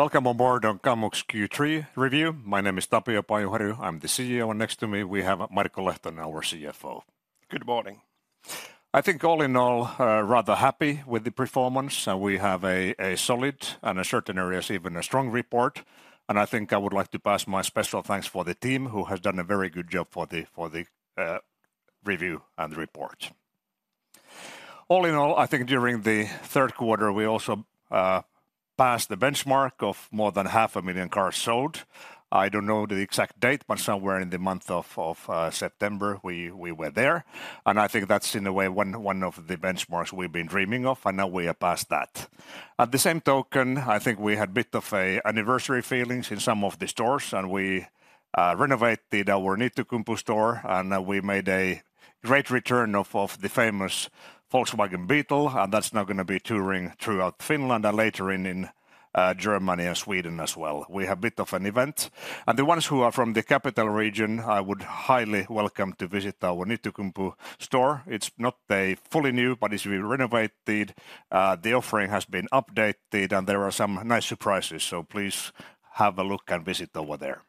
Welcome on board on Kamux Q3 review. My name is Tapio Pajuharju, I'm the CEO, and next to me, we have Marko Lehtonen, our CFO.Good morning. I think all in all, rather happy with the performance. We have a solid and in certain areas, even a strong report, and I think I would like to pass my special thanks for the team, who has done a very good job for the review and report. All in all, I think during the third quarter, we also passed the benchmark of more than 500,000 cars sold. I don't know the exact date, but somewhere in the month of September, we were there. I think that's, in a way, one of the benchmarks we've been dreaming of, and now we are past that. On the same token, I think we had a bit of an anniversary feelings in some of the stores, and we renovated our Niittykumpu store, and we made a great return of the famous Volkswagen Beetle. And that's now gonna be touring throughout Finland, and later in Germany and Sweden as well. We have a bit of an event. And the ones who are from the capital region, I would highly welcome to visit our Niittykumpu store. It's not a fully new, but it's been renovated, the offering has been updated, and there are some nice surprises, so please have a look and visit over there.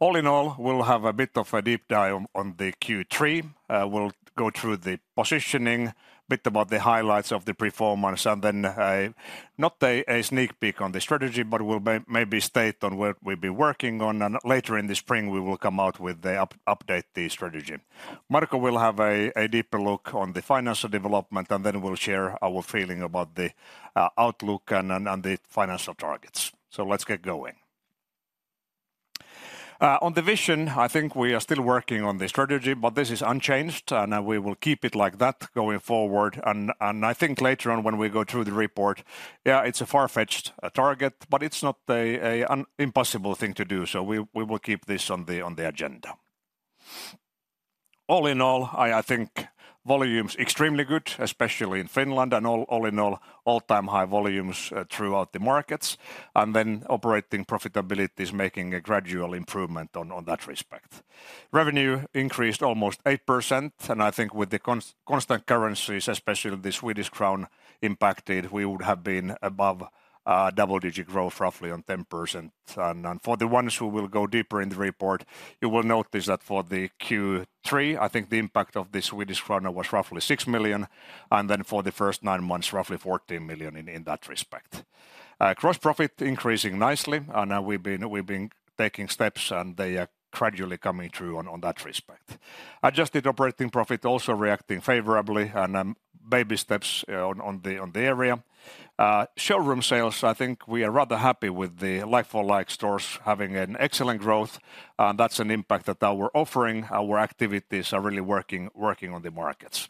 All in all, we'll have a bit of a deep dive on the Q3. We'll go through the positioning, a bit about the highlights of the performance, and then, not a sneak peek on the strategy, but we'll maybe state on what we'll be working on, and later in the spring, we will come out with the update the strategy. Marko will have a deeper look on the financial development, and then we'll share our feeling about the outlook and the financial targets. So let's get going. On the vision, I think we are still working on the strategy, but this is unchanged, and we will keep it like that going forward. I think later on, when we go through the report, yeah, it's a far-fetched target, but it's not an impossible thing to do, so we will keep this on the agenda. All in all, I think volume's extremely good, especially in Finland, and all in all, all-time high volumes throughout the markets. Operating profitability is making a gradual improvement in that respect. Revenue increased almost 8%, and I think with constant currencies, especially the Swedish krona impacted, we would have been above double-digit growth, roughly 10%. For the ones who will go deeper in the report, you will notice that for the Q3, I think the impact of the Swedish krona was roughly 6 million, and then for the first nine months, roughly 14 million in that respect. Gross profit increasing nicely, and we've been taking steps, and they are gradually coming through in that respect. Adjusted operating profit also reacting favorably, and baby steps in the area. Showroom sales, I think we are rather happy with the like-for-like stores having an excellent growth. That's an impact that our offering, our activities are really working, working on the markets.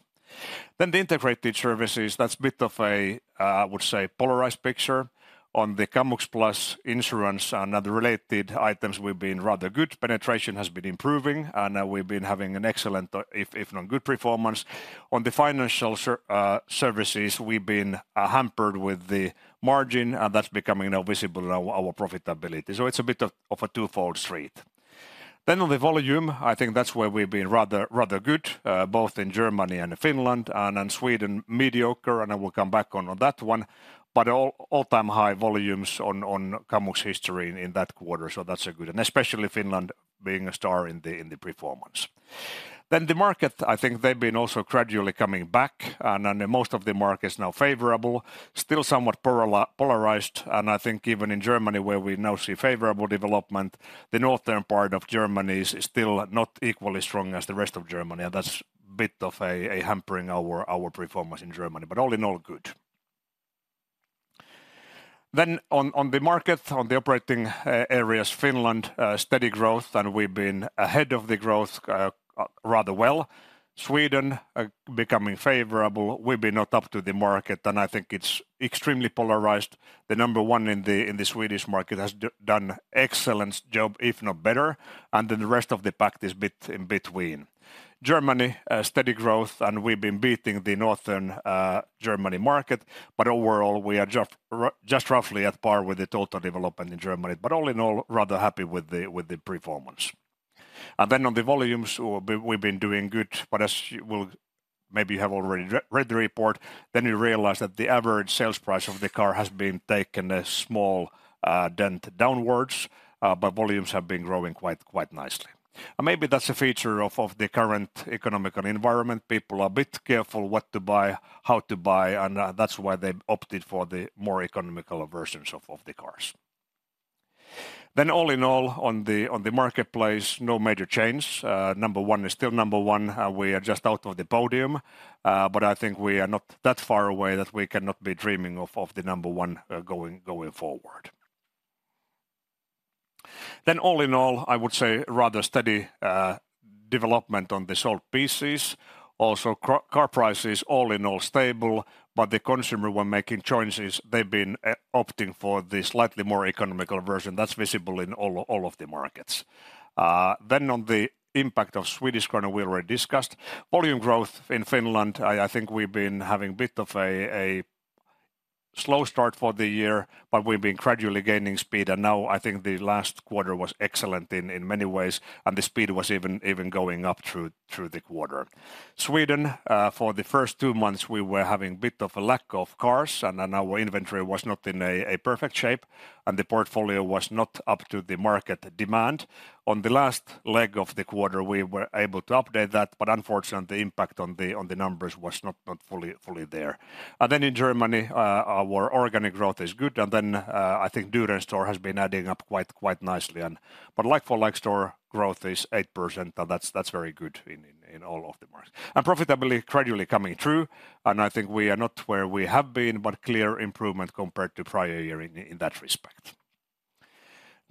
Then the integrated services, that's a bit of a, I would say, polarized picture. On the Kamux Plus Insurance and other related items, we've been rather good. Penetration has been improving, and we've been having an excellent, if, if not good performance. On the financial services, we've been hampered with the margin, and that's becoming now visible in our profitability. So it's a bit of, of a twofold street. Then on the volume, I think that's where we've been rather, rather good, both in Germany and Finland, and in Sweden, mediocre, and I will come back on, on that one. But all-time high volumes on Kamux history in that quarter, so that's a good... And especially Finland being a star in the performance. Then the market, I think they've been also gradually coming back, and most of the market is now favorable, still somewhat polarized. And I think even in Germany, where we now see favorable development, the northern part of Germany is still not equally strong as the rest of Germany, and that's a bit of hampering our performance in Germany, but all in all, good. Then on the operating areas, Finland steady growth, and we've been ahead of the growth rather well. Sweden becoming favorable. We've been not up to the market, and I think it's extremely polarized. The number one in the Swedish market has done excellent job, if not better, and then the rest of the pack is a bit in between. Germany, steady growth, and we've been beating the northern Germany market, but overall, we are just roughly at par with the total development in Germany, but all in all, rather happy with the performance. And then on the volumes, we've been doing good, but as you will... Maybe you have already re-read the report, then you realize that the average sales price of the car has been taking a small dent downwards, but volumes have been growing quite nicely. And maybe that's a feature of the current economic environment. People are a bit careful what to buy, how to buy, and, that's why they've opted for the more economical versions of, of the cars. Then all in all, on the, on the marketplace, no major change. Number one is still number one, we are just out of the podium, but I think we are not that far away that we cannot be dreaming of, of the number one, going, going forward. Then all in all, I would say rather steady, development on the sold pieces. Also, car, car prices, all in all, stable, but the consumer, when making choices, they've been opting for the slightly more economical version, that's visible in all, all of the markets. Then on the impact of Swedish krona, we already discussed. Volume growth in Finland, I think we've been having a bit of a. Slow start for the year, but we've been gradually gaining speed, and now I think the last quarter was excellent in many ways, and the speed was even going up through the quarter. Sweden, for the first two months, we were having a bit of a lack of cars, and then our inventory was not in a perfect shape, and the portfolio was not up to the market demand. On the last leg of the quarter, we were able to update that, but unfortunately, the impact on the numbers was not fully there. And then in Germany, our organic growth is good, and then I think Düren store has been adding up quite nicely and. But like-for-like store growth is 8%, and that's very good in all of the markets. And profitability gradually coming through, and I think we are not where we have been, but clear improvement compared to prior year in that respect.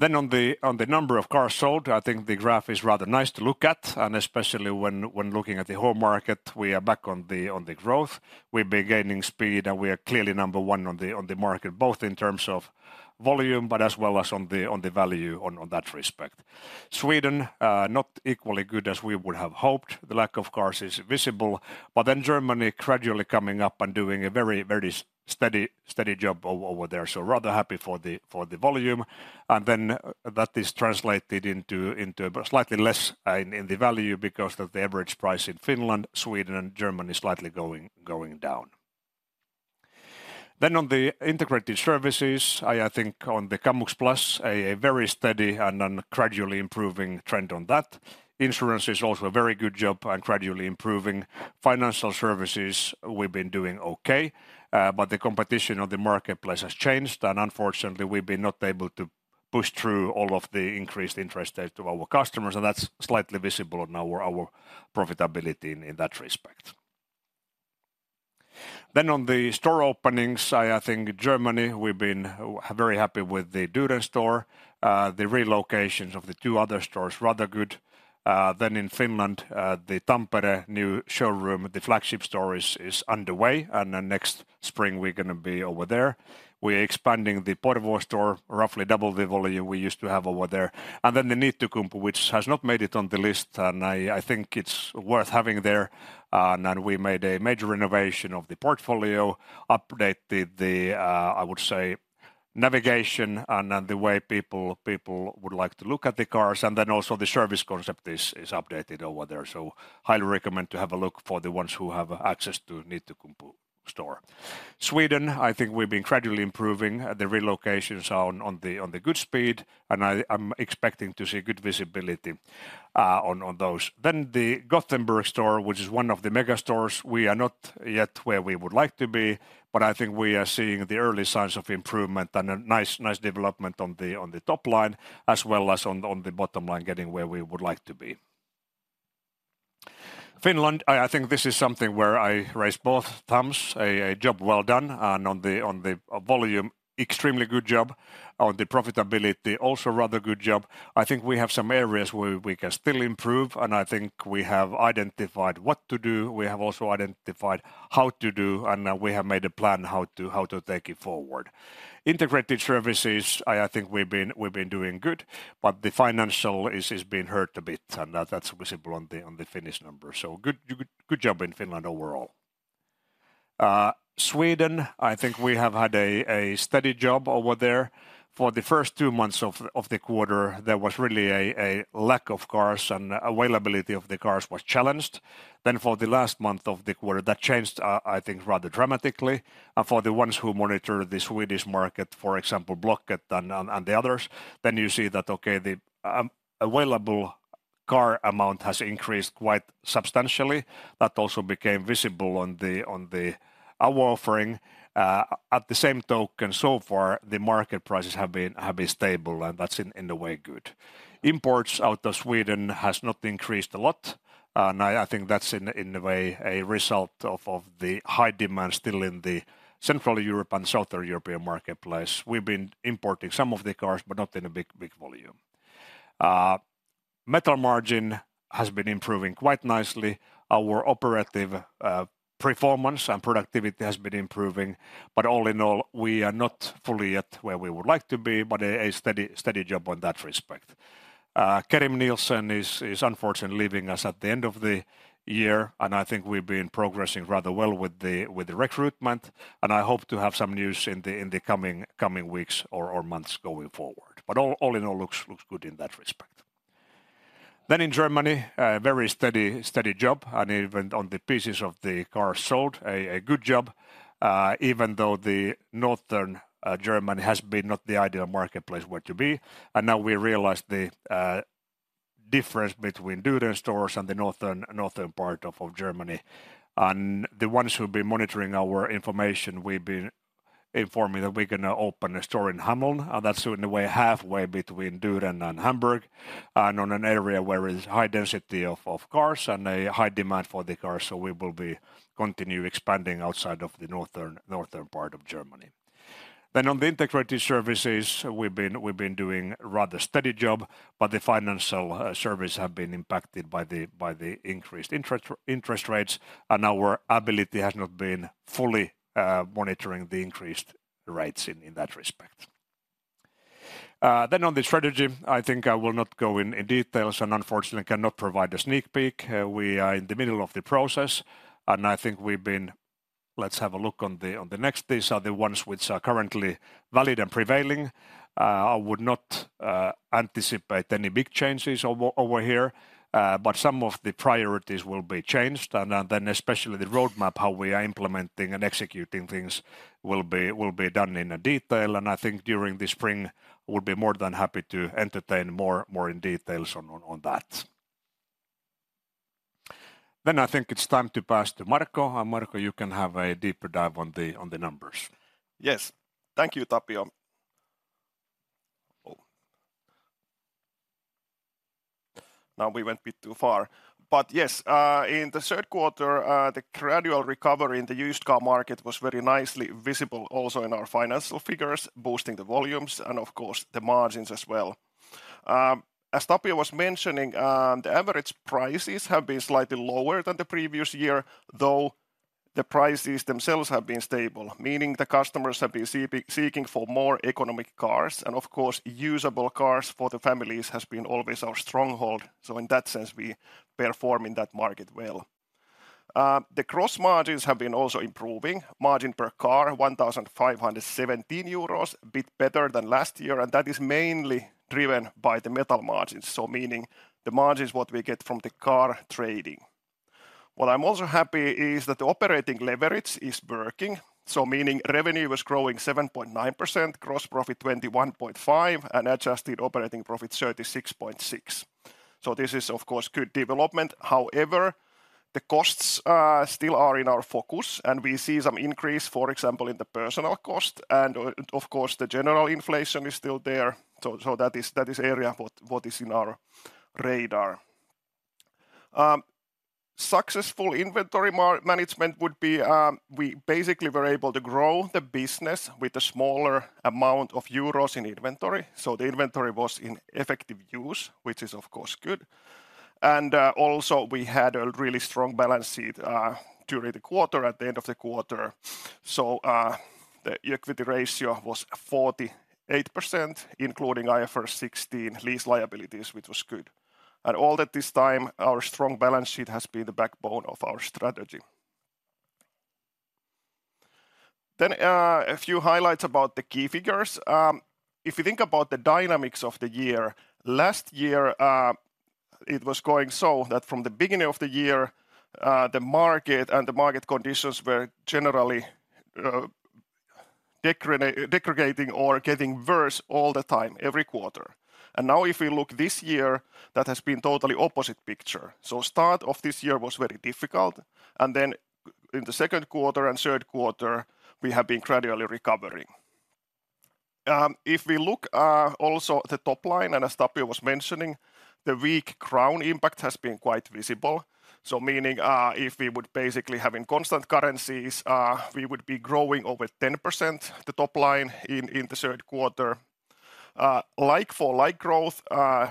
Then on the number of cars sold, I think the graph is rather nice to look at, and especially when looking at the whole market, we are back on the growth. We've been gaining speed, and we are clearly number one on the market, both in terms of volume, but as well as on the value in that respect. Sweden, not equally good as we would have hoped. The lack of cars is visible, but then Germany gradually coming up and doing a very steady job over there, so rather happy for the volume. That is translated into slightly less in the value because of the average price in Finland, Sweden, and Germany slightly going down. Then on the integrated services, I think on the Kamux Plus, a very steady and then gradually improving trend on that. Insurance is also a very good job and gradually improving. Financial services, we've been doing okay, but the competition on the marketplace has changed, and unfortunately, we've been not able to push through all of the increased interest rates to our customers, and that's slightly visible on our profitability in that respect. Then on the store openings, I think Germany, we've been very happy with the Düren store. The relocations of the two other stores, rather good. Then in Finland, the Tampere new showroom, the flagship store, is underway, and then next spring, we're gonna be over there. We're expanding the Porvoo store, roughly double the volume we used to have over there. Then the Niittykumpu, which has not made it on the list, and I think it's worth having there. And we made a major renovation of the portfolio, updated the, I would say, navigation, and the way people would like to look at the cars, and then also the service concept is updated over there. So highly recommend to have a look for the ones who have access to Niittykumpu store. Sweden, I think we've been gradually improving. The relocations are on the good speed, and I'm expecting to see good visibility on those. Then the Gothenburg store, which is one of the mega stores, we are not yet where we would like to be, but I think we are seeing the early signs of improvement and a nice, nice development on the top line, as well as on the bottom line, getting where we would like to be. Finland, I, I think this is something where I raise both thumbs, a job well done, and on the volume, extremely good job. On the profitability, also rather good job. I think we have some areas where we can still improve, and I think we have identified what to do. We have also identified how to do, and we have made a plan how to take it forward. Integrated services, I think we've been doing good, but the financial is being hurt a bit, and that's visible on the Finnish numbers. So good, good, good job in Finland overall. Sweden, I think we have had a steady job over there. For the first two months of the quarter, there was really a lack of cars, and availability of the cars was challenged. Then for the last month of the quarter, that changed, I think, rather dramatically. For the ones who monitor the Swedish market, for example, Blocket and the others, then you see that, okay, the available car amount has increased quite substantially. That also became visible on the our offering. At the same token, so far, the market prices have been, have been stable, and that's in, in a way, good. Imports out of Sweden has not increased a lot, and I, I think that's in, in a way, a result of, of the high demand still in the Central Europe and Southern European marketplace. We've been importing some of the cars, but not in a big, big volume. Metal margin has been improving quite nicely. Our operative, performance and productivity has been improving, but all in all, we are not fully yet where we would like to be, but a, a steady, steady job on that respect. Kerim Nielsen is unfortunately leaving us at the end of the year, and I think we've been progressing rather well with the re`cruitment, and I hope to have some news in the coming weeks or months going forward. But all in all, looks good in that respect. Then in Germany, a very steady job, and even on the pieces of the cars sold, a good job, even though Northern Germany has been not the ideal marketplace where to be. And now we realize the difference between Düren stores and the northern part of Germany. The ones who've been monitoring our information, we've been informing that we're gonna open a store in Hameln, and that's in a way, halfway between Düren and Hamburg, and on an area where is high density of cars and a high demand for the cars, so we will be continue expanding outside of the northern, northern part of Germany. On the integrated services, we've been doing rather steady job, but the financial service have been impacted by the increased interest rates, and our ability has not been fully monitoring the increased rates in that respect. On the strategy, I think I will not go in details and unfortunately cannot provide a sneak peek. We are in the middle of the process, and I think. Let's have a look on the next. These are the ones which are currently valid and prevailing. I would not anticipate any big changes over here, but some of the priorities will be changed, and then especially the roadmap, how we are implementing and executing things will be done in detail. I think during the spring, we'll be more than happy to entertain more details on that. Then I think it's time to pass to Marko. Marko, you can have a deeper dive on the numbers. Yes. Thank you, Tapio. Oh. Now we went a bit too far, but yes, in the third quarter, the gradual recovery in the used car market was very nicely visible, also in our financial figures, boosting the volumes and of course, the margins as well. As Tapio was mentioning, the average prices have been slightly lower than the previous year, though the prices themselves have been stable, meaning the customers have been seeking for more economical cars. And of course, used cars for the families has been always our stronghold. So in that sense, we perform in that market well. The gross margins have been also improving. Margin per car, 1,517 euros, a bit better than last year, and that is mainly driven by the metal margins. So meaning the margins, what we get from the car trading. What I'm also happy is that the operating leverage is working. So meaning revenue was growing 7.9%, gross profit 21.5%, and adjusted operating profit 36.6%. So this is of course good development. However, the costs still are in our focus, and we see some increase, for example, in the personnel costs and, of course, the general inflation is still there. So that is the area that is in our radar. Successful inventory management would be we basically were able to grow the business with a smaller amount of EUR in inventory, so the inventory was in effective use, which is of course good. Also we had a really strong balance sheet during the quarter, at the end of the quarter. So, the equity ratio was 48%, including IFRS 16 lease liabilities, which was good. And all at this time, our strong balance sheet has been the backbone of our strategy. Then, a few highlights about the key figures. If you think about the dynamics of the year, last year, it was going so that from the beginning of the year, the market and the market conditions were generally, degrading or getting worse all the time, every quarter. And now, if we look this year, that has been totally opposite picture. So start of this year was very difficult, and then in the second quarter and third quarter, we have been gradually recovering. If we look also at the top line, and as Tapio was mentioning, the weak krona impact has been quite visible. So meaning, if we would basically have in constant currencies, we would be growing over 10%, the top line in the third quarter. Like-for-like growth,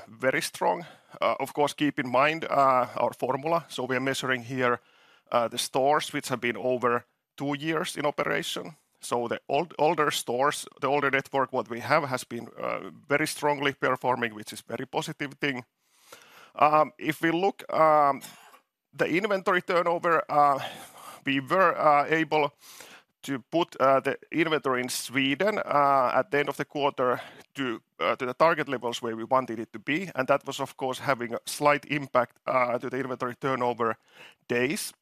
very strong. Of course, keep in mind, our formula. So we are measuring here, the stores which have been over two years in operation. So the older stores, the older network, what we have has been very strongly performing, which is very positive thing. If we look, the inventory turnover, we were able to put the inventory in Sweden at the end of the quarter to the target levels where we wanted it to be, and that was, of course, having a slight impact to the inventory turnover days.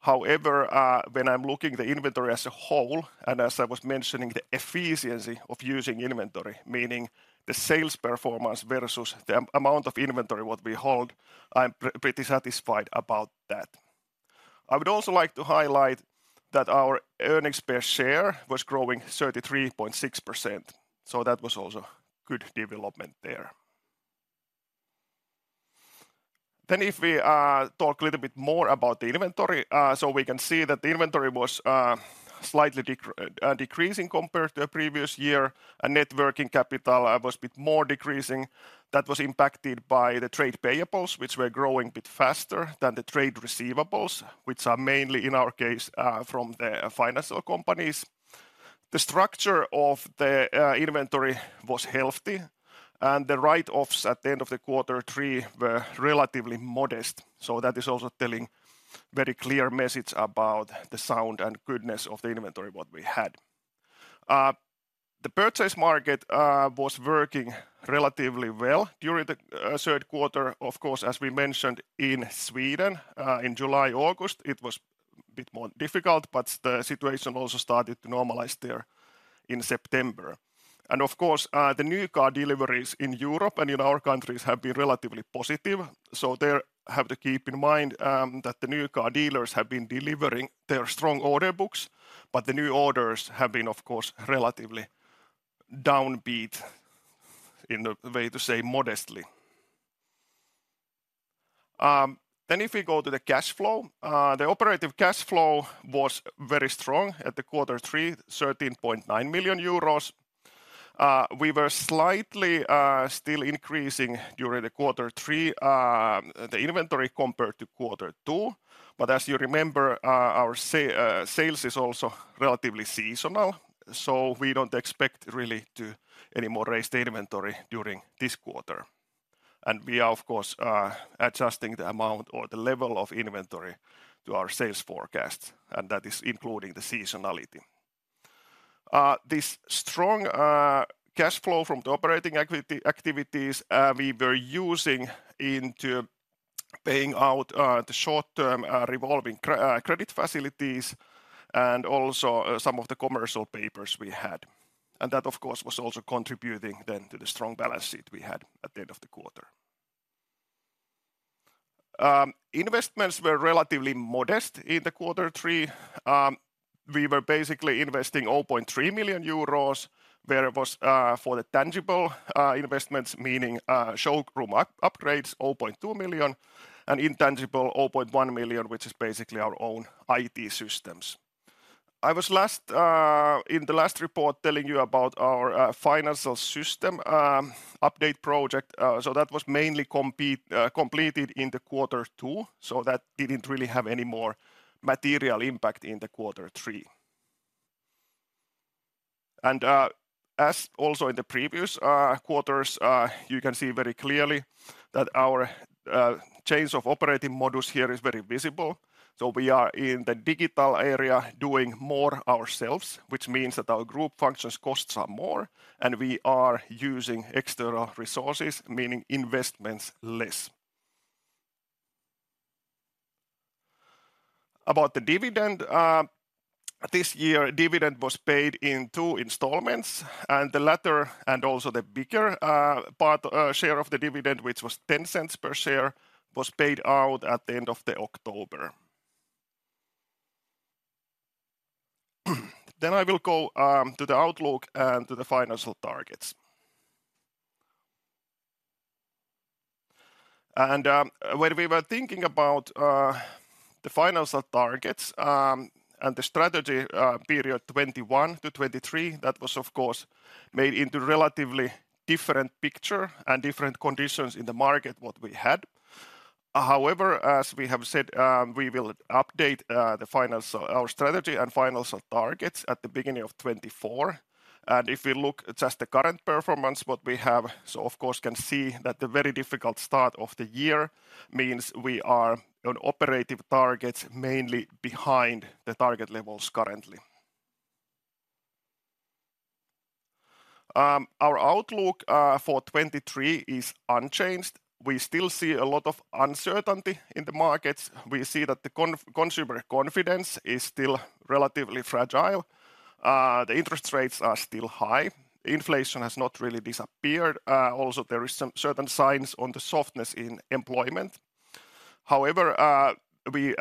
However, when I'm looking the inventory as a whole, and as I was mentioning, the efficiency of using inventory, meaning the sales performance versus the amount of inventory what we hold, I'm pretty satisfied about that. I would also like to highlight that our earnings per share was growing 33.6%, so that was also good development there. Then, if we talk a little bit more about the inventory, so we can see that the inventory was slightly decreasing compared to the previous year, and net working capital was a bit more decreasing. That was impacted by the trade payables, which were growing a bit faster than the trade receivables, which are mainly, in our case, from the financial companies. The structure of the inventory was healthy, and the write-offs at the end of quarter three were relatively modest, so that is also telling very clear message about the sound and goodness of the inventory, what we had. The purchase market was working relatively well during the third quarter. Of course, as we mentioned, in Sweden, in July, August, it was a bit more difficult, but the situation also started to normalize there in September. Of course, the new car deliveries in Europe and in our countries have been relatively positive. So there, have to keep in mind, that the new car dealers have been delivering their strong order books, but the new orders have been, of course, relatively downbeat, in a way to say modestly. Then if we go to the cash flow, the operating cash flow was very strong at quarter three, 13.9 million euros. We were slightly still increasing during quarter three the inventory compared to quarter two, but as you remember, our sales is also relatively seasonal, so we don't expect really to any more raise the inventory during this quarter. And we are, of course, adjusting the amount or the level of inventory to our sales forecast, and that is including the seasonality. This strong cash flow from the operating activities we were using into paying out the short-term revolving credit facilities and also some of the commercial papers we had. And that, of course, was also contributing then to the strong balance sheet we had at the end of the quarter. Investments were relatively modest in the quarter three. We were basically investing 0.3 million euros, where it was for the tangible investments, meaning showroom upgrades, 0.2 million, and intangible, 0.1 million, which is basically our own IT systems. I was last in the last report telling you about our financial system update project. So that was mainly completed in the quarter two, so that didn't really have any more material impact in the quarter three. And as also in the previous quarters, you can see very clearly that our chain's operating model here is very visible. So we are in the digital area doing more ourselves, which means that our group functions costs are more, and we are using external resources, meaning investments less. About the dividend, this year, dividend was paid in two installments, and the latter, and also the bigger part, share of the dividend, which was 0.10 per share, was paid out at the end of October. Then I will go to the outlook and to the financial targets. When we were thinking about the financial targets, and the strategy, period 2021 to 2023, that was, of course, made into relatively different picture and different conditions in the market what we had. However, as we have said, we will update the financial... Our strategy and financial targets at the beginning of 2024. If we look at just the current performance, what we have, so of course, can see that the very difficult start of the year means we are on operative targets, mainly behind the target levels currently. Our outlook for 2023 is unchanged. We still see a lot of uncertainty in the markets. We see that the consumer confidence is still relatively fragile. The interest rates are still high. Inflation has not really disappeared. Also, there is some certain signs on the softness in employment. However, we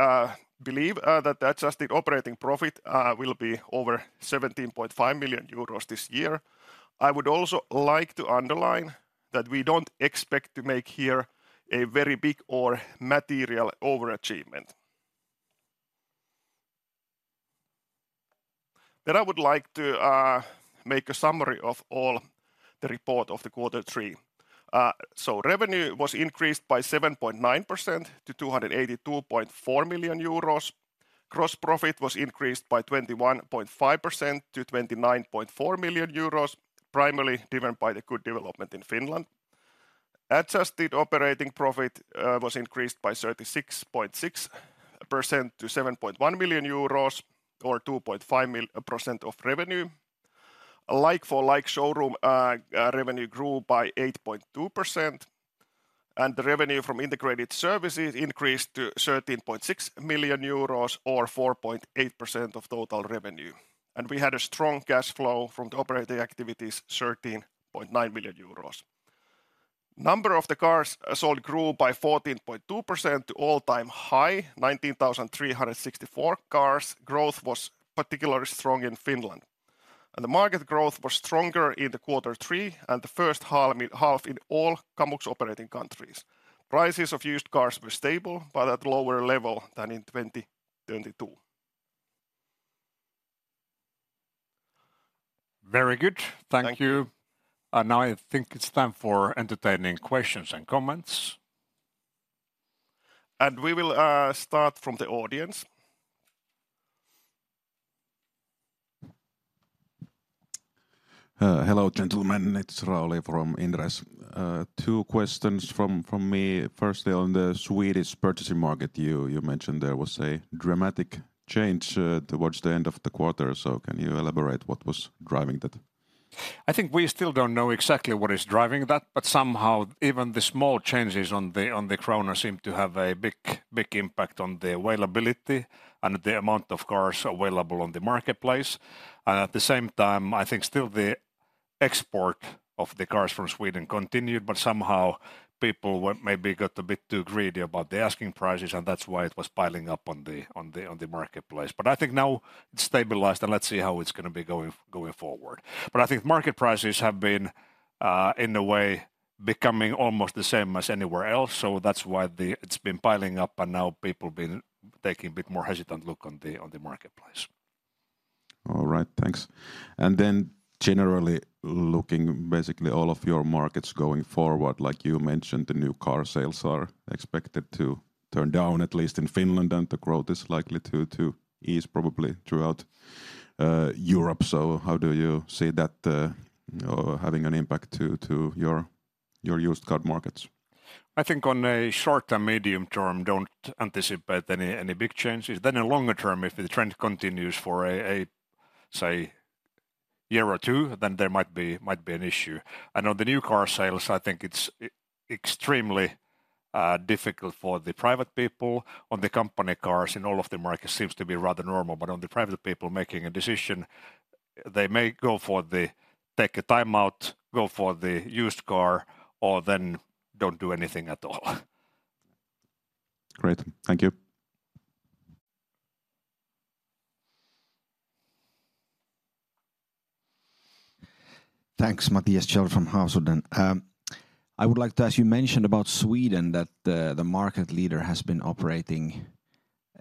believe that the adjusted operating profit will be over 17.5 million euros this year. I would also like to underline that we don't expect to make here a very big or material overachievement. Then I would like to make a summary of all the report of the quarter three. So revenue was increased by 7.9% to 282.4 million euros. Gross profit was increased by 21.5% to 29.4 million euros, primarily driven by the good development in Finland. Adjusted operating profit was increased by 36.6% to 7.1 million euros, or 2.5% of revenue. Like-for-like showroom revenue grew by 8.2%, and the revenue from integrated services increased to 13.6 million euros, or 4.8% of total revenue. We had a strong cash flow from the operating activities, 13.9 million euros. Number of the cars sold grew by 14.2% to all-time high, 19,364 cars. Growth was particularly strong in Finland, and the market growth was stronger in the quarter three and the first half in all Kamux operating countries. Prices of used cars were stable, but at lower level than in 2022. Very good. Thank you. Thank you. Now I think it's time for entertaining questions and comments. And we will start from the audience. Hello, gentlemen. It's Rauli from Inderes. Two questions from me. Firstly, on the Swedish purchasing market, you mentioned there was a dramatic change towards the end of the quarter. So can you elaborate what was driving that? I think we still don't know exactly what is driving that, but somehow even the small changes on the krona seem to have a big, big impact on the availability and the amount of cars available on the marketplace. And at the same time, I think still the export of the cars from Sweden continued, but somehow people were maybe got a bit too greedy about the asking prices, and that's why it was piling up on the marketplace. But I think now it's stabilized, and let's see how it's gonna be going forward. But I think market prices have been in a way becoming almost the same as anywhere else, so that's why it's been piling up, and now people been taking a bit more hesitant look on the marketplace. All right. Thanks. And then generally, looking basically all of your markets going forward, like you mentioned, the new car sales are expected to turn down, at least in Finland, and the growth is likely to ease probably throughout Europe. So how do you see that or having an impact to your, your used car markets? I think on a short and medium term, don't anticipate any big changes. Then in longer term, if the trend continues for a say year or two, then there might be an issue. And on the new car sales, I think it's extremely difficult for the private people. On the company cars, in all of the market seems to be rather normal, but on the private people making a decision, they may go for the take a time out, go for the used car, or then don't do anything at all. Great. Thank you. Thanks. Matthias Kjell from Hausunden. I would like to ask, you mentioned about Sweden, that the market leader has been operating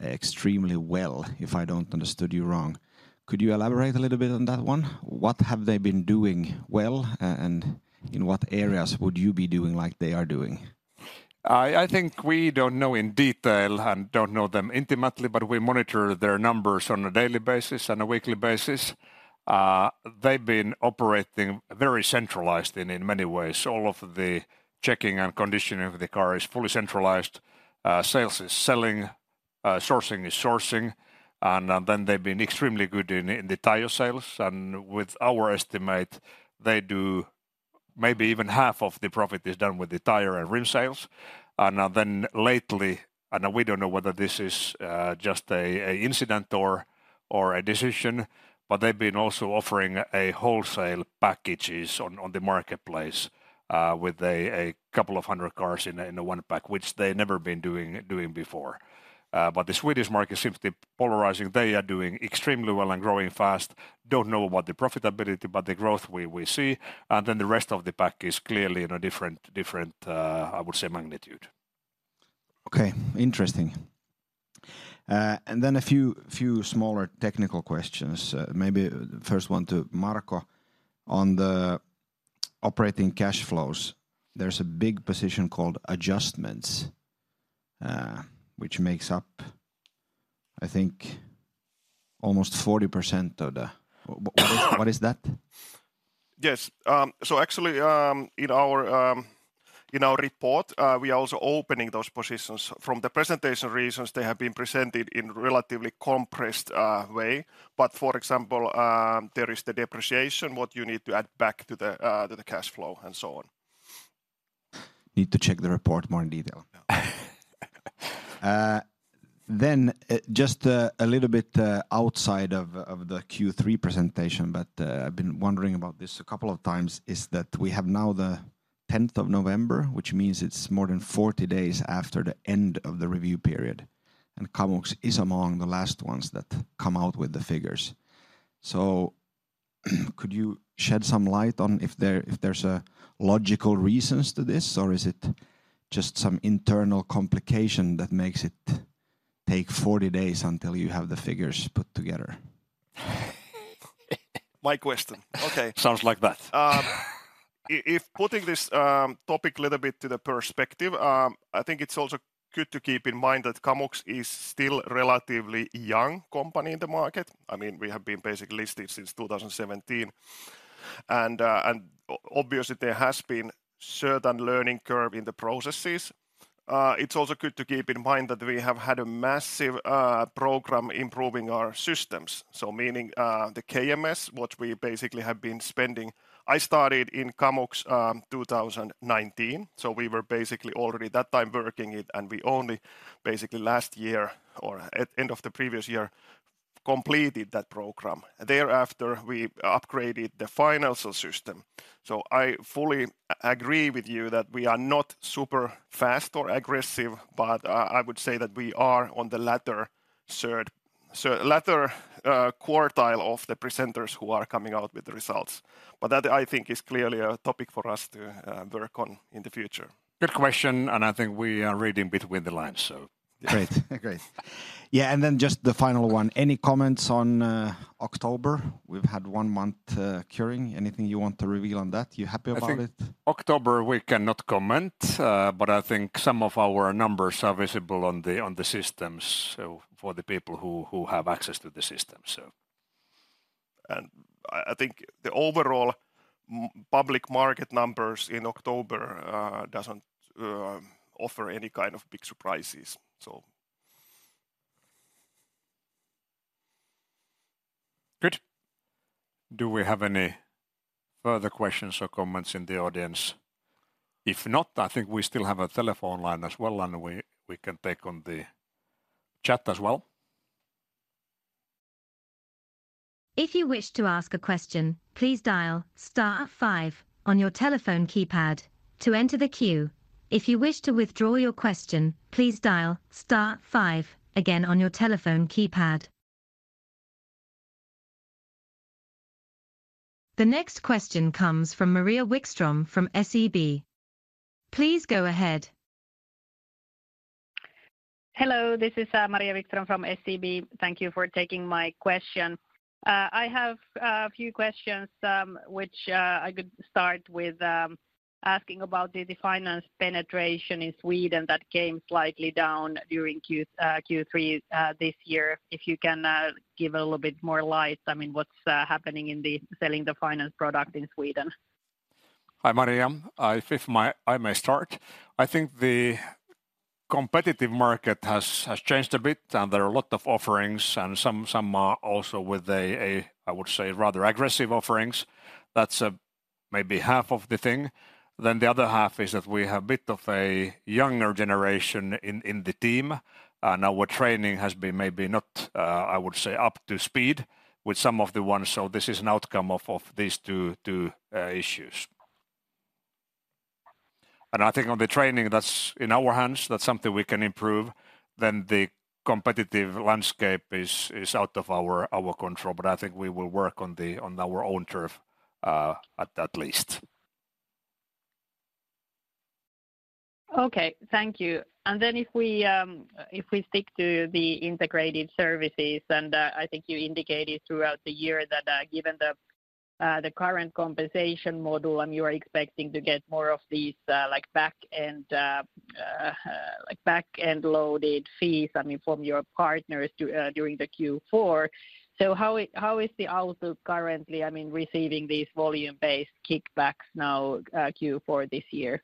extremely well, if I didn't understand you wrong. Could you elaborate a little bit on that one? What have they been doing well, and in what areas would you be doing like they are doing? I think we don't know in detail and don't know them intimately, but we monitor their numbers on a daily basis and a weekly basis. They've been operating very centralized in many ways. All of the checking and conditioning of the car is fully centralized. Sales is selling, sourcing is sourcing, and then they've been extremely good in the tire sales. And with our estimate, they do. Maybe even half of the profit is done with the tire and rim sales. And then lately, and we don't know whether this is just a incident or a decision, but they've been also offering a wholesale packages on the marketplace with a couple of 200 cars in a one pack, which they never been doing before. But the Swedish market seems to be polarizing. They are doing extremely well and growing fast. Don't know about the profitability, but the growth we see, and then the rest of the pack is clearly in a different, I would say, magnitude. Okay, interesting. And then a few smaller technical questions. Maybe first one to Marko. On the operating cash flows, there's a big position called adjustments, which makes up, I think, almost 40% of the—what is, what is that? Yes. So actually, in our, in our report, we are also opening those positions. From the presentation reasons, they have been presented in relatively compressed, way. But for example, there is the depreciation, what you need to add back to the, to the cash flow, and so on. Need to check the report more in detail. Then, just a little bit outside of the Q3 presentation, but I've been wondering about this a couple of times, is that we have now the 10th of November, which means it's more than 40 days after the end of the review period, and Kamux is among the last ones that come out with the figures. So could you shed some light on if there's logical reasons to this, or is it just some internal complication that makes it take 40 days until you have the figures put together? My question. Okay. Sounds like that. If putting this topic a little bit to the perspective, I think it's also good to keep in mind that Kamux is still relatively young company in the market. I mean, we have been basically listed since 2017, and obviously, there has been certain learning curve in the processes. It's also good to keep in mind that we have had a massive program improving our systems, so meaning the KMS, what we basically have been spending. I started in Kamux 2019, so we were basically already that time working it, and we only basically last year or at end of the previous year, completed that program. Thereafter, we upgraded the financial system. So I fully agree with you that we are not super fast or aggressive, but I would say that we are on the latter third, so latter quartile of the presenters who are coming out with the results. But that, I think, is clearly a topic for us to work on in the future. Good question, and I think we are reading between the lines, so... Great. Great. Yeah, and then just the final one, any comments on October? We've had one month curing. Anything you want to reveal on that? You're happy about it? I think October we cannot comment, but I think some of our numbers are visible on the systems, so for the people who have access to the system, so... I think the overall public market numbers in October doesn't offer any kind of big surprises, so... Good. Do we have any further questions or comments in the audience? If not, I think we still have a telephone line as well, and we can take on the chat as well. If you wish to ask a question, please dial star five on your telephone keypad to enter the queue. If you wish to withdraw your question, please dial star five again on your telephone keypad. The next question comes from Maria Wikström from SEB. Please go ahead. Hello, this is Maria Wikström from SEB. Thank you for taking my question. I have a few questions, which I could start with asking about the finance penetration in Sweden that came slightly down during Q3 this year. If you can give a little bit more light, I mean, what's happening in the selling the finance product in Sweden?... Hi, Maria. If I may start, I think the competitive market has changed a bit, and there are a lot of offerings and some are also with a, I would say, rather aggressive offerings. That's maybe half of the thing. Then the other half is that we have a bit of a younger generation in the team, and our training has been maybe not, I would say, up to speed with some of the ones. So this is an outcome of these two issues. And I think on the training, that's in our hands, that's something we can improve. Then the competitive landscape is out of our control, but I think we will work on our own turf, at the least. Okay, thank you. And then if we, if we stick to the integrated services, and, I think you indicated throughout the year that, given the, the current compensation model and you are expecting to get more of these, like back end, like back-end loaded fees, I mean, from your partners during the Q4. So how is, how is the outlook currently, I mean, receiving these volume-based kickbacks now, Q4 this year?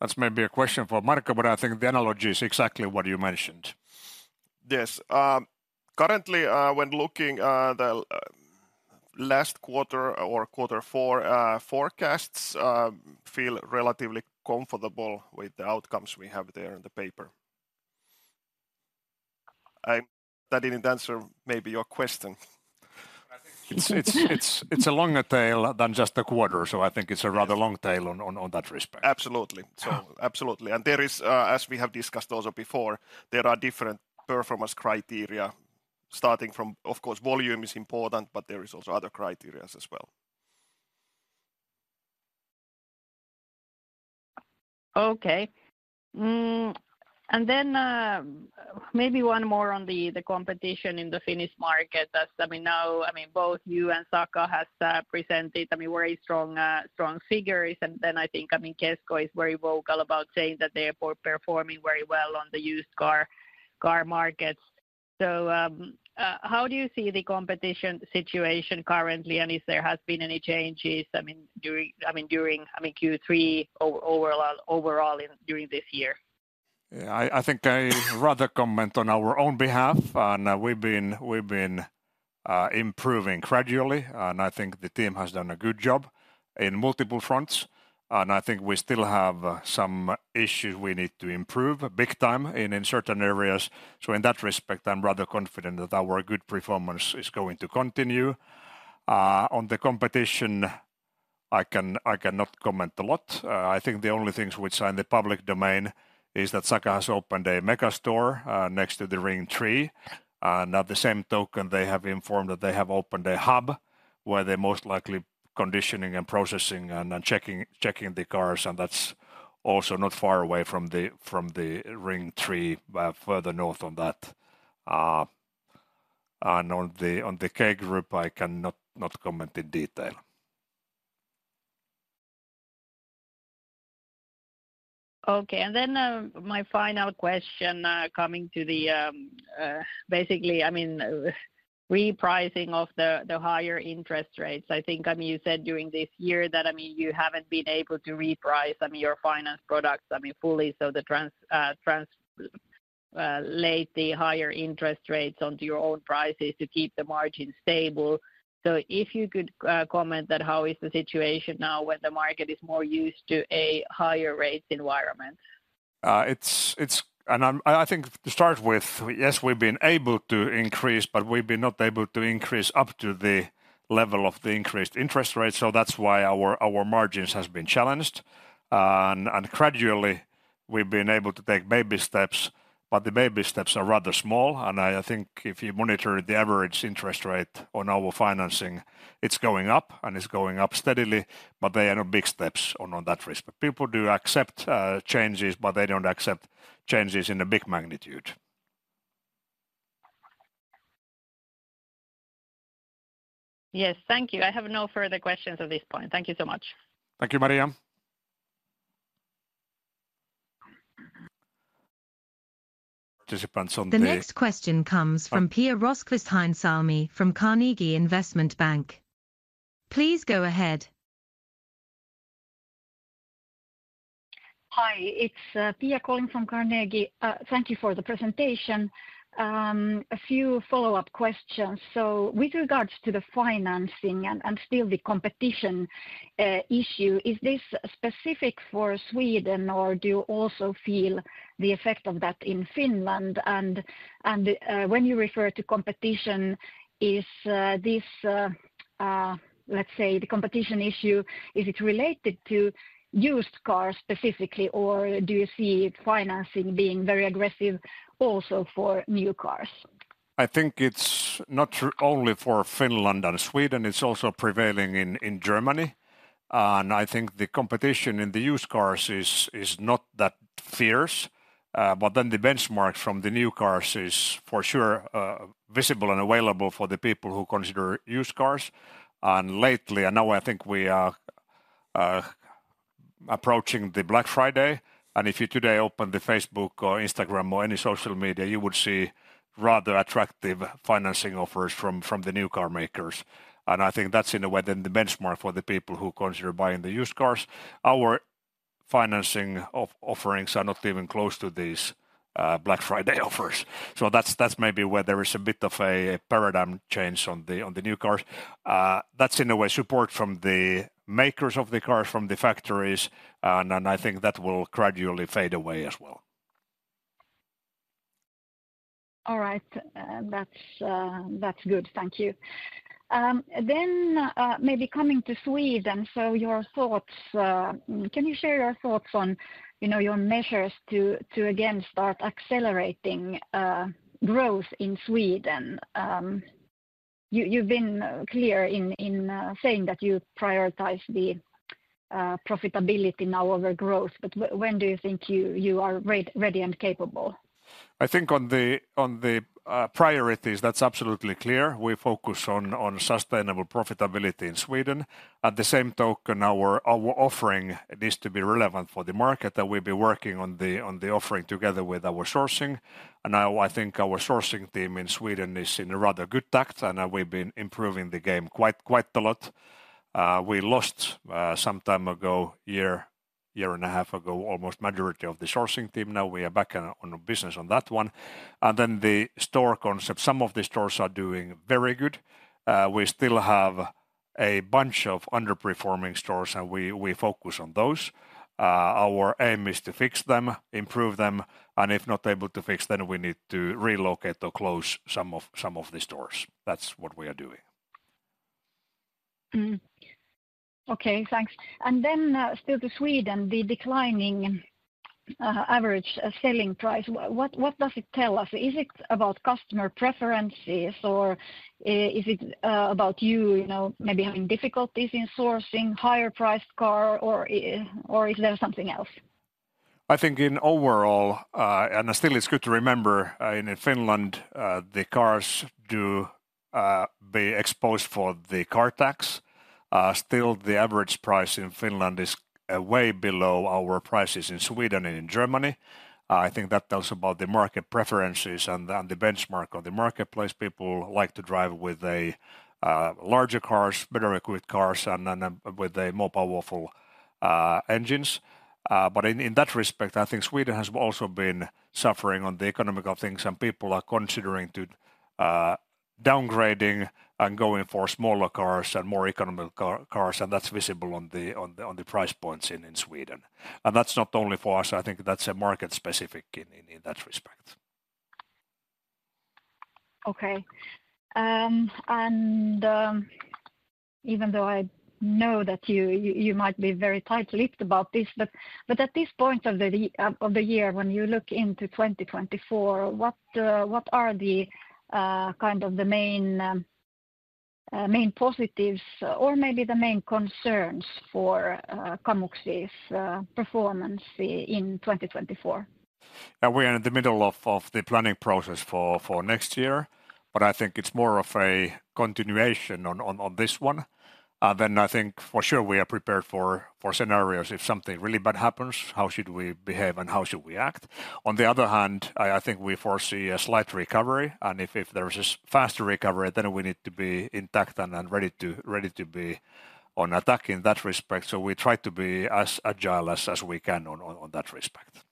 That's maybe a question for Marko, but I think the analogy is exactly what you mentioned. Yes. Currently, when looking the last quarter or quarter four forecasts, feel relatively comfortable with the outcomes we have there in the paper. That didn't answer, maybe, your question. It's a longer tail than just a quarter, so I think it's a rather long tail on that respect. Absolutely. So absolutely. And there is, as we have discussed also before, there are different performance criteria starting from... Of course, volume is important, but there is also other criteria as well. Okay. And then, maybe one more on the competition in the Finnish market. As I mean, now, I mean, both you and Saka has presented, I mean, very strong figures. And then I think, I mean, Kesko is very vocal about saying that they are performing very well on the used car market. So, how do you see the competition situation currently, and if there has been any changes, I mean, during, I mean, during Q3 overall, overall during this year? Yeah, I think I'd rather comment on our own behalf, and we've been improving gradually, and I think the team has done a good job in multiple fronts, and I think we still have some issues we need to improve big time in certain areas. So in that respect, I'm rather confident that our good performance is going to continue. On the competition, I cannot comment a lot. I think the only things which are in the public domain is that Saka has opened a mega store next to the Ring 3. And at the same token, they have informed that they have opened a hub, where they're most likely conditioning and processing and checking the cars, and that's also not far away from the Ring 3, further north on that. And on the K Group, I cannot not comment in detail. Okay, and then my final question, coming to the basically, I mean, repricing of the higher interest rates. I think, I mean, you said during this year that, I mean, you haven't been able to reprice, I mean, your finance products, I mean, fully, so translate the higher interest rates onto your own prices to keep the margin stable. So if you could comment that, how is the situation now when the market is more used to a higher rate environment? I think to start with, yes, we've been able to increase, but we've been not able to increase up to the level of the increased interest rate, so that's why our margins has been challenged. And gradually, we've been able to take baby steps, but the baby steps are rather small, and I think if you monitor the average interest rate on our financing, it's going up, and it's going up steadily, but they are not big steps on that respect. People do accept changes, but they don't accept changes in a big magnitude. Yes. Thank you. I have no further questions at this point. Thank you so much. Thank you, Maria. The next question comes from Pia Rosqvist-Heinsalmi, from Carnegie Investment Bank. Please go ahead. Hi, it's Pia calling from Carnegie. Thank you for the presentation. A few follow-up questions. So with regards to the financing and still the competition issue, is this specific for Sweden, or do you also feel the effect of that in Finland? And when you refer to competition, is this let's say the competition issue related to used cars specifically, or do you see financing being very aggressive also for new cars? I think it's not true only for Finland and Sweden, it's also prevailing in Germany, and I think the competition in the used cars is not that fierce. But then the benchmark from the new cars is, for sure, visible and available for the people who consider used cars. And lately, and now I think we are approaching the Black Friday, and if you today open the Facebook or Instagram or any social media, you would see rather attractive financing offers from the new car makers. And I think that's in a way then the benchmark for the people who consider buying the used cars. Our financing offerings are not even close to these Black Friday offers. So that's maybe where there is a bit of a paradigm change on the new cars. That's in a way support from the makers of the cars, from the factories, and I think that will gradually fade away as well. All right. That's good. Thank you. Then, maybe coming to Sweden, so your thoughts... Can you share your thoughts on, you know, your measures to again start accelerating growth in Sweden? You've been clear in saying that you prioritize the profitability now over growth, but when do you think you are ready and capable? I think on the priorities, that's absolutely clear. We focus on sustainable profitability in Sweden. At the same token, our offering needs to be relevant for the market, and we've been working on the offering together with our sourcing. And now I think our sourcing team in Sweden is in a rather good tact, and we've been improving the game quite a lot. We lost some time ago, year and a half ago, almost majority of the sourcing team. Now, we are back on business on that one. And then the store concept, some of the stores are doing very good. We still have a bunch of underperforming stores, and we focus on those. Our aim is to fix them, improve them, and if not able to fix, then we need to relocate or close some of the stores. That's what we are doing. Okay, thanks. And then, still to Sweden, the declining average selling price, what does it tell us? Is it about customer preferences, or is it about you, you know, maybe having difficulties in sourcing higher priced car, or is there something else? I think in overall, and still it's good to remember, in Finland, the cars do be exposed for the car tax. Still, the average price in Finland is way below our prices in Sweden and in Germany. I think that tells about the market preferences and the benchmark of the marketplace. People like to drive with a larger cars, better equipped cars, and then with a more powerful engines. But in that respect, I think Sweden has also been suffering on the economical things, and people are considering to downgrading and going for smaller cars and more economical cars, and that's visible on the price points in Sweden. That's not only for us, I think that's a market specific in that respect. Okay. And even though I know that you might be very tight-lipped about this, but at this point of the year, when you look into 2024, what are the kind of main positives or maybe the main concerns for Kamux's performance in 2024? Now, we are in the middle of the planning process for next year, but I think it's more of a continuation on this one. Then I think for sure, we are prepared for scenarios if something really bad happens, how should we behave and how should we act? On the other hand, I think we foresee a slight recovery, and if there is a faster recovery, then we need to be intact and ready to be on attack in that respect. So we try to be as agile as we can on that respect.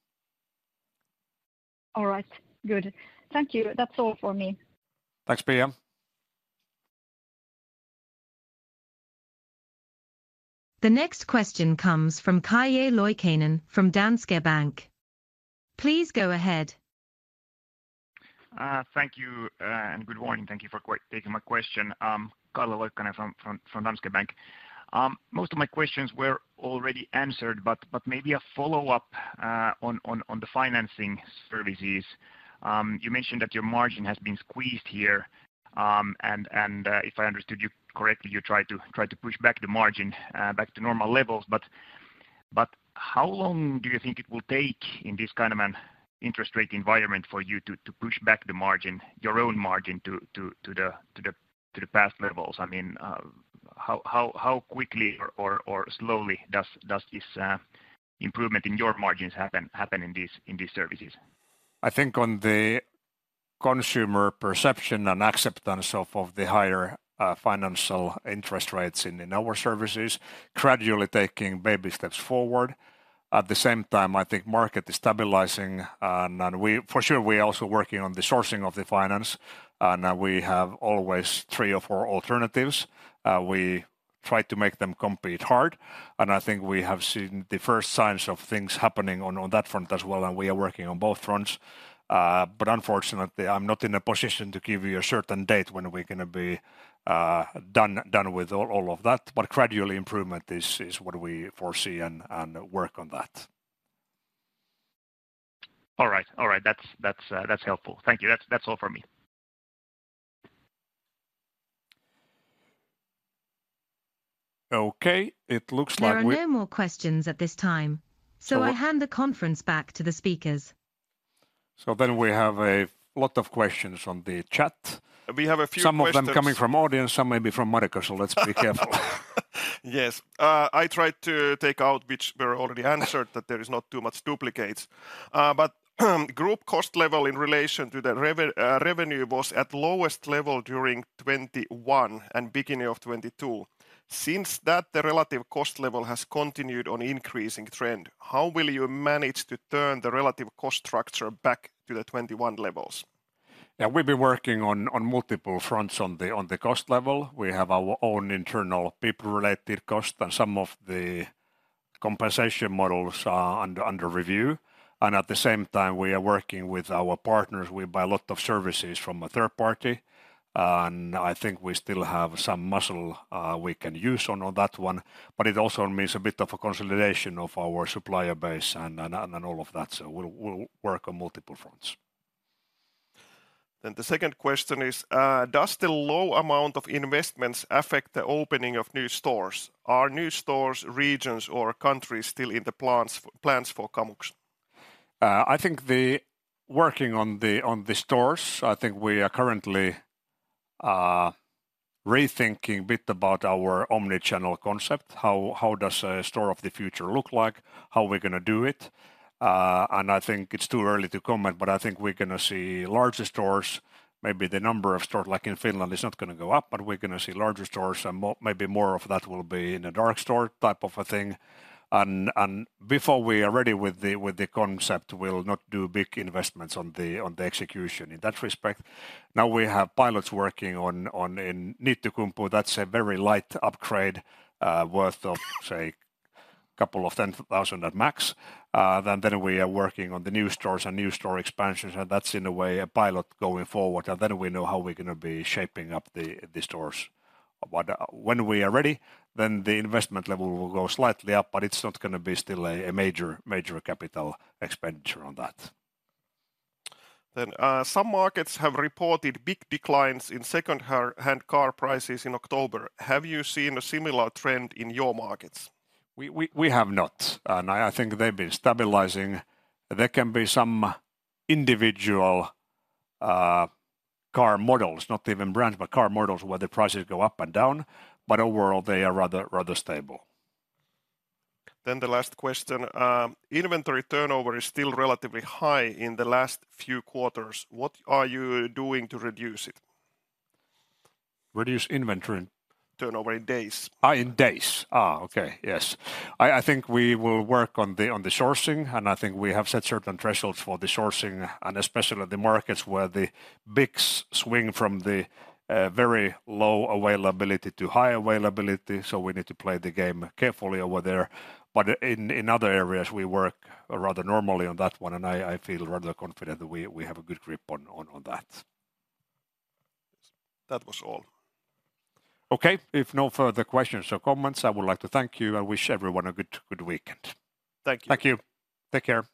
All right. Good. Thank you. That's all for me. Thanks, Pia. The next question comes from Calle Loikkanen from Danske Bank. Please go ahead. Thank you, and good morning. Thank you for taking my question. I'm Calle Loikkanen from Danske Bank. Most of my questions were already answered, but maybe a follow-up on the financing services. You mentioned that your margin has been squeezed here, and if I understood you correctly, you tried to push back the margin back to normal levels. But how long do you think it will take in this kind of an interest rate environment for you to push back the margin, your own margin, to the past levels? I mean, how quickly or slowly does this improvement in your margins happen in these services? I think on the consumer perception and acceptance of the higher financial interest rates in our services, gradually taking baby steps forward. At the same time, I think market is stabilizing, and we for sure are also working on the sourcing of the finance, and we have always three or four alternatives. We try to make them compete hard, and I think we have seen the first signs of things happening on that front as well, and we are working on both fronts. But unfortunately, I'm not in a position to give you a certain date when we're gonna be done with all of that, but gradually, improvement is what we foresee and work on that. All right. All right. That's, that's, that's helpful. Thank you. That's, that's all for me. Okay, it looks like we- There are no more questions at this time, so I hand the conference back to the speakers. ... So then we have a lot of questions on the chat. We have a few questions- Some of them coming from audience, some maybe from Marko, so let's be careful. Yes. I tried to take out which were already answered, that there is not too much duplicates. But group cost level in relation to the revenue was at lowest level during 2021 and beginning of 2022. Since that, the relative cost level has continued on increasing trend. How will you manage to turn the relative cost structure back to the 2021 levels? Yeah, we've been working on multiple fronts on the cost level. We have our own internal people-related cost and some of the compensation models are under review, and at the same time, we are working with our partners. We buy a lot of services from a third party, and I think we still have some muscle we can use on that one, but it also means a bit of a consolidation of our supplier base and all of that, so we'll work on multiple fronts. Then the second question is: Does the low amount of investments affect the opening of new stores? Are new stores, regions, or countries still in the plans for Kamux? I think the working on the, on the stores, I think we are currently rethinking a bit about our Omni-channel concept. How does a store of the future look like? How are we gonna do it? And I think it's too early to comment, but I think we're gonna see larger stores. Maybe the number of stores, like in Finland, is not gonna go up, but we're gonna see larger stores and maybe more of that will be in a dark store type of a thing. And before we are ready with the concept, we'll not do big investments on the execution in that respect. Now, we have pilots working on in Niittykumpu. That's a very light upgrade worth 20,000 at max. Then, then we are working on the new stores and new store expansions, and that's, in a way, a pilot going forward, and then we know how we're gonna be shaping up the, the stores. But when we are ready, then the investment level will go slightly up, but it's not gonna be still a, a major, major capital expenditure on that. Then, some markets have reported big declines in second-hand car prices in October. Have you seen a similar trend in your markets? We have not, and I think they've been stabilizing. There can be some individual car models, not even brands, but car models where the prices go up and down, but overall, they are rather stable. Then the last question. Inventory turnover is still relatively high in the last few quarters. What are you doing to reduce it? Reduce inventory? Turnover in days. In days. Okay, yes. I think we will work on the sourcing, and I think we have set certain thresholds for the sourcing, and especially the markets where the big swing from the very low availability to high availability, so we need to play the game carefully over there. But in other areas, we work rather normally on that one, and I feel rather confident that we have a good grip on that. That was all. Okay. If no further questions or comments, I would like to thank you and wish everyone a good, good weekend. Thank you. Thank you. Take care.